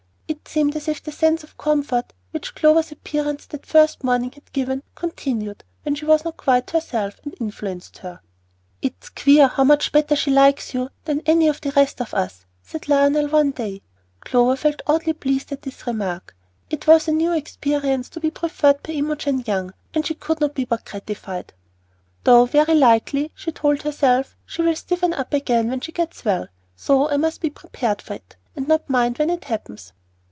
It seemed as if the sense of comfort which Clover's appearance that first morning had given continued when she was not quite herself, and influenced her. "It's queer how much better she likes you than any of the rest of us," Lionel said one day. Clover felt oddly pleased at this remark. It was a new experience to be preferred by Imogen Young, and she could not but be gratified. "Though very likely," she told herself, "she will stiffen up again when she gets well; so I must be prepared for it, and not mind when it happens."